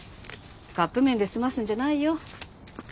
カップ麺で済ますんじゃないよ。